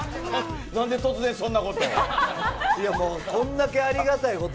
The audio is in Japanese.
何で突然、そんなことを。